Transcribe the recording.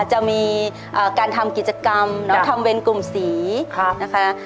จะมีการทำกิจกรรมทำเป็นกลุ่มสีนะคะ